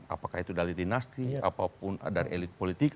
apakah itu dari dinasti apapun dari elit politik